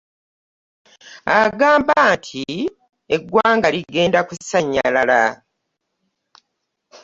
Agamba nti eggwanga ligenda kusannyalala.